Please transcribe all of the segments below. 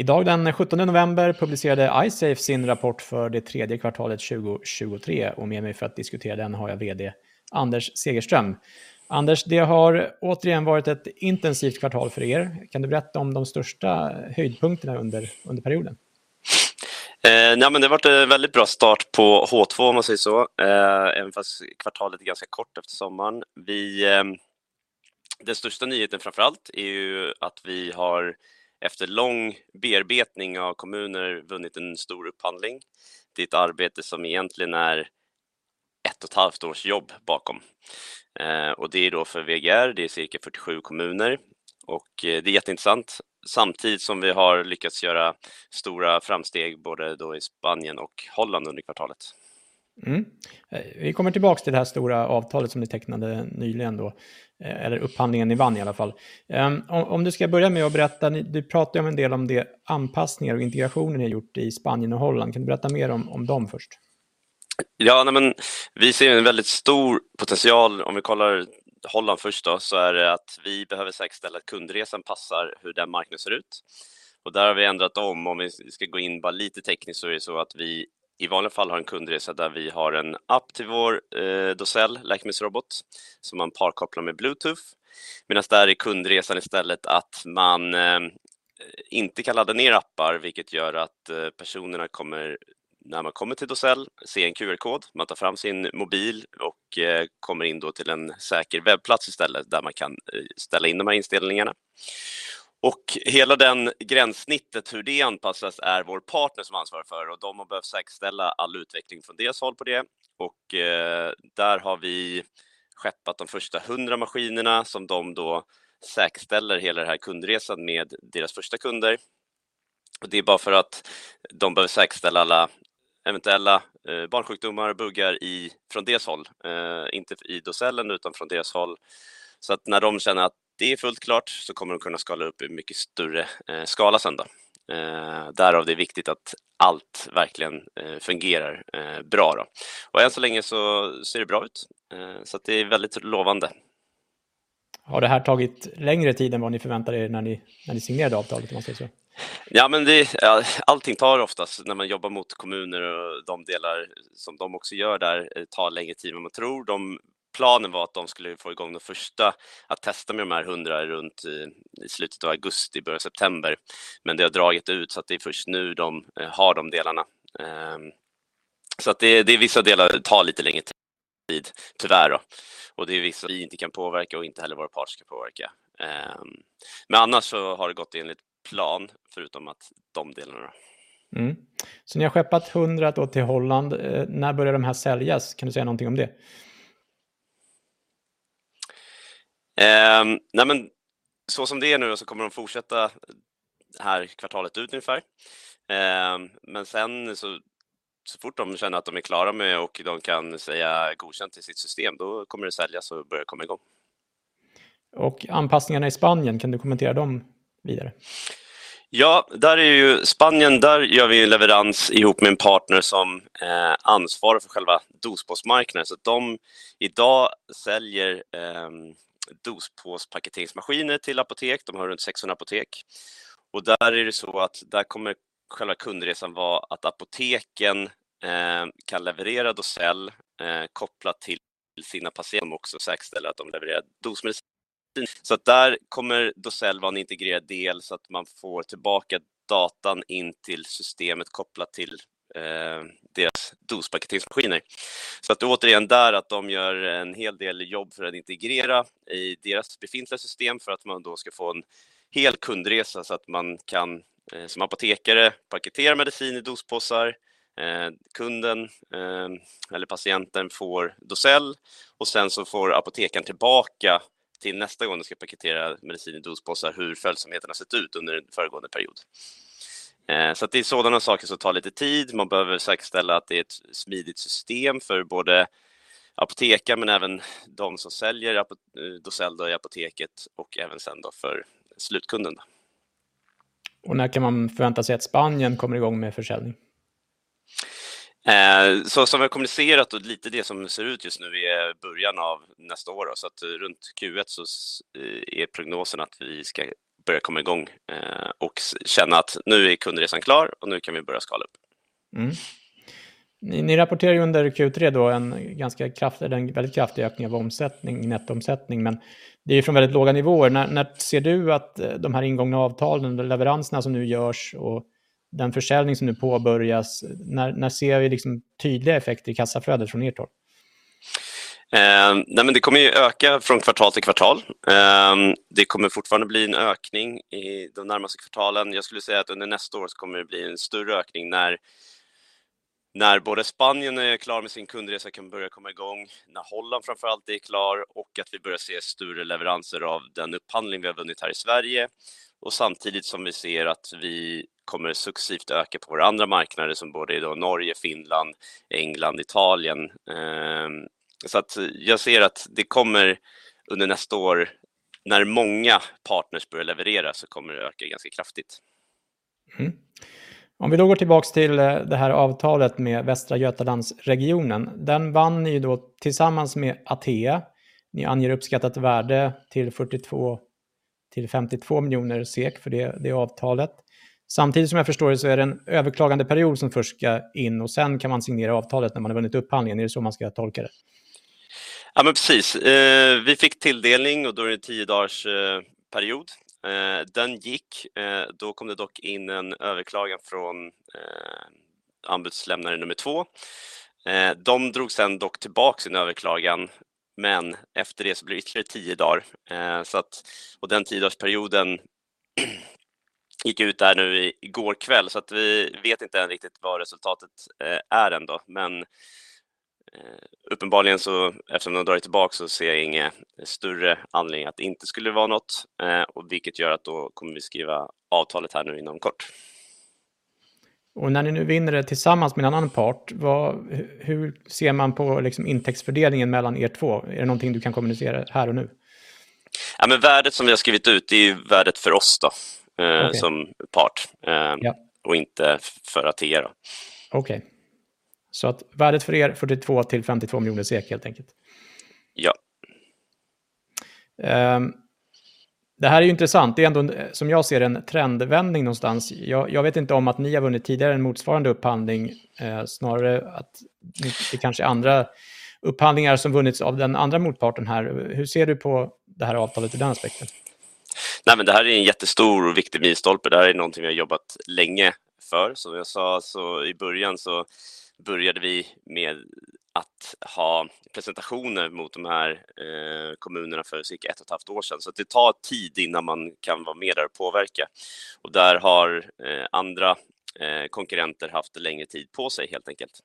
Idag den sjuttonde november publicerade iSafe sin rapport för det tredje kvartalet 2023 och med mig för att diskutera den har jag VD Anders Segerström. Anders, det har återigen varit ett intensivt kvartal för er. Kan du berätta om de största höjdpunkterna under perioden? Ja, men det blev en väldigt bra start på H2 om man säger så. Även fast kvartalet är ganska kort efter sommaren. Vi, den största nyheten framför allt är ju att vi har efter lång bearbetning av kommuner vunnit en stor upphandling. Det är ett arbete som egentligen är ett och ett halvt års jobb bakom. Och det är då för VGR, det är cirka fyrtiosju kommuner och det är jätteintressant. Samtidigt som vi har lyckats göra stora framsteg både då i Spanien och Holland under kvartalet. Vi kommer tillbaka till det här stora avtalet som ni tecknade nyligen då, eller upphandlingen ni vann i alla fall. Om du ska börja med att berätta, du pratar ju om en del om de anpassningar och integrationer ni har gjort i Spanien och Holland. Kan du berätta mer om dem först? Ja, men vi ser en väldigt stor potential. Om vi kollar Holland först då, så är det att vi behöver säkerställa att kundresan passar hur den marknaden ser ut. Och där har vi ändrat om. Om vi ska gå in bara lite tekniskt, så är det så att vi i vanliga fall har en kundresa där vi har en app till vår Dosell, läkemedelsrobot, som man parkopplar med Bluetooth. Medan där är kundresan istället att man inte kan ladda ner appar, vilket gör att personerna kommer, när man kommer till Dosell, se en QR-kod. Man tar fram sin mobil och kommer in då till en säker webbplats istället, där man kan ställa in de här inställningarna. Och hela det gränssnittet, hur det anpassas, är vår partner som ansvarar för, och de har behövt säkerställa all utveckling från deras håll på det. Och där har vi skeppat de första hundra maskinerna som de då säkerställer hela den här kundresan med deras första kunder. Och det är bara för att de behöver säkerställa alla eventuella barnsjukdomar, buggar från deras håll, inte i Dosellen, utan från deras håll. Så att när de känner att det är fullt klart, så kommer de kunna skala upp i mycket större skala sen då. Därav, det är viktigt att allt verkligen fungerar bra då. Och än så länge så ser det bra ut, så att det är väldigt lovande. Har det här tagit längre tid än vad ni förväntade er när ni signerade avtalet, om man säger så? Ja, men det, allting tar oftast när man jobbar mot kommuner och de delar som de också gör där, tar längre tid än vad man tror. Planen var att de skulle få igång det första att testa med de här hundra runt i slutet av augusti, början september, men det har dragit ut så att det är först nu de har de delarna. Så att det, det är vissa delar tar lite längre tid, tyvärr då. Och det är vissa vi inte kan påverka och inte heller våra partners kan påverka. Men annars så har det gått enligt plan, förutom att de delarna. Mm. Så ni har skeppat hundra då till Holland. När börjar de här säljas? Kan du säga någonting om det? Nej, men så som det är nu, så kommer de fortsätta det här kvartalet ut ungefär. Men sen så, så fort de känner att de är klara med och de kan säga godkänt i sitt system, då kommer det säljas och börja komma i gång. Och anpassningarna i Spanien, kan du kommentera dem vidare? Ja, där är ju Spanien, där gör vi leverans ihop med en partner som ansvarar för själva dospåsmarknaden. Så att de idag säljer dospås paketeringsmaskiner till apotek. De har runt sexhundra apotek och där är det så att där kommer själva kundresan vara att apoteken kan leverera Dosell kopplat till sina patienter, också säkerställa att de levererar dosmedicin. Så att där kommer Dosell vara en integrerad del så att man får tillbaka datan in till systemet, kopplat till deras dospaketeringsmaskiner. Så att återigen där, att de gör en hel del jobb för att integrera i deras befintliga system, för att man då ska få en hel kundresa, så att man kan, som apotekare, paketera medicin i dospåsar. Kunden eller patienten får Dosell och sen så får apotekaren tillbaka till nästa gång de ska paketera medicin i dospåsar, hur följsamheten har sett ut under föregående period. Så att det är sådana saker som tar lite tid. Man behöver säkerställa att det är ett smidigt system för både apoteken men även de som säljer Dosell då i apoteket och även sen då för slutkunden. Och när kan man förvänta sig att Spanien kommer igång med försäljning? Så som vi har kommunicerat och lite det som ser ut just nu i början av nästa år. Runt Q1 så är prognosen att vi ska börja komma i gång och känna att nu är kundresan klar och nu kan vi börja skala upp. Mm. Ni rapporterar ju under Q3 då en ganska kraftig, en väldigt kraftig ökning av omsättning, nettoomsättning, men det är från väldigt låga nivåer. När ser du att de här ingångna avtalen, leveranserna som nu görs och den försäljning som nu påbörjas, när ser vi liksom tydliga effekter i kassaflödet från ert håll? Nej, men det kommer ju öka från kvartal till kvartal. Det kommer fortfarande bli en ökning i de närmaste kvartalen. Jag skulle säga att under nästa år så kommer det bli en större ökning när både Spanien är klar med sin kundresa och kan börja komma i gång, när Holland framför allt är klar och att vi börjar se större leveranser av den upphandling vi har vunnit här i Sverige. Och samtidigt som vi ser att vi kommer successivt öka på våra andra marknader, som både i Norge, Finland, England, Italien. Så att jag ser att det kommer under nästa år, när många partners börjar leverera, så kommer det öka ganska kraftigt. Om vi då går tillbaka till det här avtalet med Västra Götalandsregionen. Den vann ni då tillsammans med Atea. Ni anger uppskattat värde till 42-52 miljoner SEK för det avtalet. Samtidigt som jag förstår det så är det en överklagande period som först ska in och sedan kan man signera avtalet när man har vunnit upphandlingen. Är det så man ska tolka det? Ja, men precis. Vi fick tilldelning och då är det en tio dagars period. Den gick. Då kom det dock in en överklagan från anbudslämnare nummer två. De drog sedan dock tillbaka sin överklagan, men efter det så blir det ytterligare tio dagar. Så den tio dagars perioden gick ut där nu i går kväll. Vi vet inte än riktigt vad resultatet är än då, men uppenbarligen, så eftersom de har dragit tillbaka så ser jag ingen större anledning att det inte skulle vara något, vilket gör att då kommer vi skriva avtalet här nu inom kort. Och när ni nu vinner det tillsammans med en annan part, vad, hur ser man på liksom intäktsfördelningen mellan er två? Är det någonting du kan kommunicera här och nu? Ja, men värdet som vi har skrivit ut, det är ju värdet för oss då. Okej. -som part. Och inte för Atea då. Okej, så att värdet för er fyrtiotvå till femtiotvå miljoner SEK, helt enkelt? Ja. Det här är ju intressant. Det är ändå, som jag ser det, en trendvändning någonstans. Jag vet inte om ni har vunnit tidigare en motsvarande upphandling, snarare att det kanske är andra upphandlingar som vunnits av den andra motparten här. Hur ser du på det här avtalet i den aspekten? Nej, men det här är en jättestor och viktig milstolpe. Det här är någonting vi har jobbat länge för. Som jag sa i början så började vi med att ha presentationer mot de här kommunerna för cirka ett och ett halvt år sedan. Så det tar tid innan man kan vara med där och påverka. Och där har andra konkurrenter haft längre tid på sig, helt enkelt.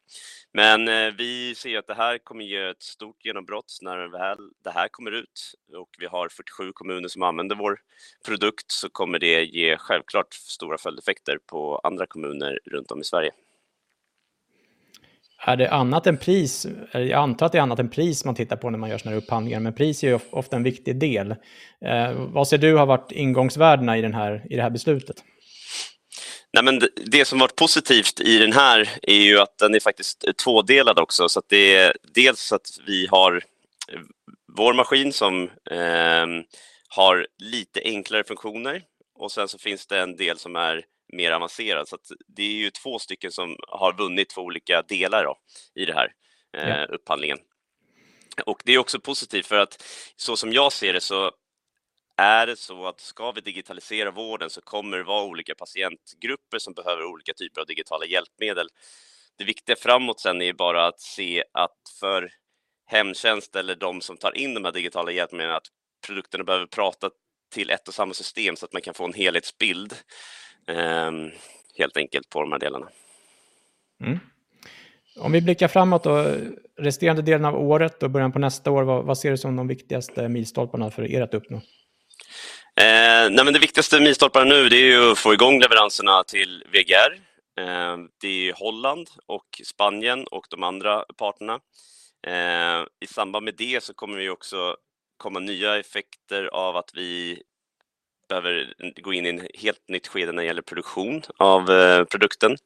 Men vi ser att det här kommer ge ett stort genombrott när väl det här kommer ut och vi har 47 kommuner som använder vår produkt, så kommer det ge självklart stora följdeffekter på andra kommuner runt om i Sverige. Är det annat än pris? Jag antar att det är annat än pris man tittar på när man gör sådana här upphandlingar, men pris är ju ofta en viktig del. Vad ser du har varit ingångsvärdena i det här beslutet? Nej, men det som varit positivt i den här är ju att den är faktiskt tvådelad också. Så att det, dels att vi har vår maskin som har lite enklare funktioner och sen så finns det en del som är mer avancerad. Så att det är ju två stycken som har vunnit två olika delar då i det här upphandlingen. Det är också positivt för att så som jag ser det, så är det så att ska vi digitalisera vården så kommer det vara olika patientgrupper som behöver olika typer av digitala hjälpmedel. Det viktiga framåt sedan är bara att se att för hemtjänst eller de som tar in de här digitala hjälpmedlen, att produkterna behöver prata till ett och samma system så att man kan få en helhetsbild helt enkelt på de här delarna. Mm. Om vi blickar framåt då, resterande delen av året och början på nästa år, vad ser du som de viktigaste milstolparna för er att uppnå? Nej, men det viktigaste milstolparna nu, det är ju att få igång leveranserna till VGR. Det är Holland och Spanien och de andra parterna. I samband med det så kommer vi också komma nya effekter av att vi behöver gå in i ett helt nytt skede när det gäller produktion av produkten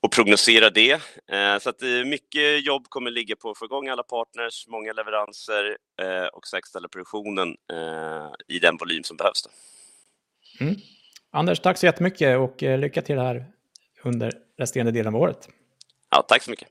och prognostisera det. Så att mycket jobb kommer ligga på att få igång alla partners, många leveranser, och säkerställa produktionen i den volym som behövs då. Mm. Anders, tack så jättemycket och lycka till det här under resterande delen av året! Ja, tack så mycket.